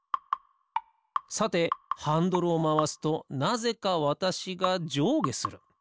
さてハンドルをまわすとなぜかわたしがじょうげする。